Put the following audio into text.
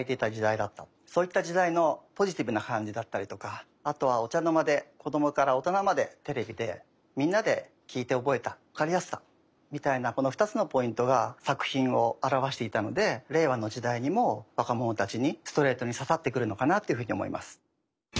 そういった時代のポジティブな感じだったりとかあとはお茶の間で子どもから大人までテレビでみんなで聴いて覚えた分かりやすさみたいなこの２つのポイントが作品を表していたので令和の時代にも若者たちにストレートに刺さってくるのかなっていうふうに思います。